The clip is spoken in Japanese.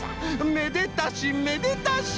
めでたしめでたし！